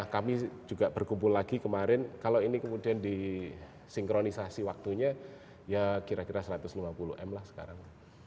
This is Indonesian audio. kami juga berkumpul lagi kemarin kalau ini kemudian disinkronisasi waktunya ya kira kira satu ratus lima puluh m lah sekarang